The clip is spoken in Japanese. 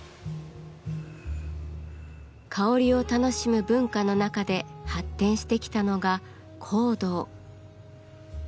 香りを楽しむ文化の中で発展してきたのが「香道」。